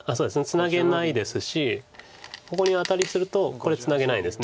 ツナげないですしここにアタリするとこれツナげないです。